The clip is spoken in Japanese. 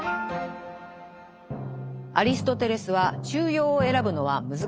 アリストテレスは中庸を選ぶのは難しいと言います。